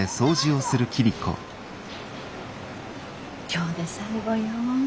今日で最後よ。